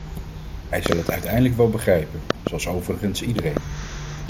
Hij zal het uiteindelijk wel begrijpen, zoals overigens iedereen.